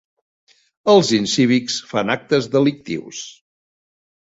Els incívics fan actes delictius.